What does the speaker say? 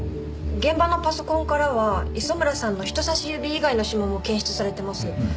現場のパソコンからは磯村さんの人さし指以外の指紋も検出されてます。